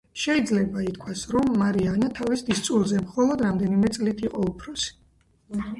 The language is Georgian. შეიძლება ითქვას, რომ მარია ანა თავის დისწულებზე მხოლოდ რამდენიმე წლით იყო უფროსი.